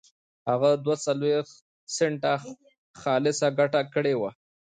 هغه دوه څلوېښت سنټه خالصه ګټه کړې وه.